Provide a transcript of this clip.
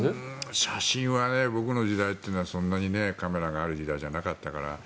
写真は僕の時代というのはそんなにカメラがある時代じゃなかったから。